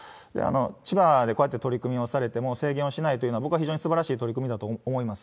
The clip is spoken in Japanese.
千葉でこうやって取り組みをされても制限をしないというのは、僕は非常にすばらしい取り組みだと思います。